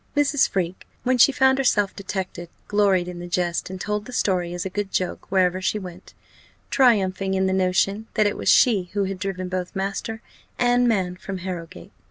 Mrs. Freke, when she found herself detected, gloried in the jest, and told the story as a good joke wherever she went triumphing in the notion, that it was she who had driven both master and man from Harrowgate.